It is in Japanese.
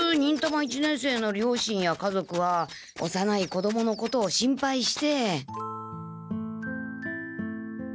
一年生の両親や家族はおさない子どものことを心配して。